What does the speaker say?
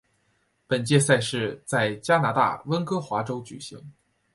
本届赛事在加拿大温哥华举行。